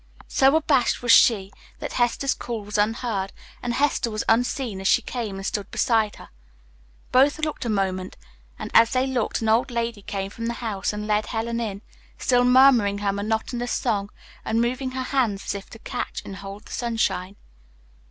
So abashed was she that Hester's call was unheard, and Hester was unseen as she came and stood beside her. Both looked a moment, and as they looked an old lady came from the house and led Helen in, still murmuring her monotonous song and moving her hands as if to catch and hold the sunshine.